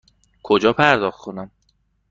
کجا پرداخت کنم؟